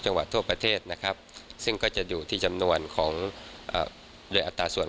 จังหวัดทั่วประเทศนะครับซึ่งก็จะอยู่ที่จำนวนของโดยอัตราส่วน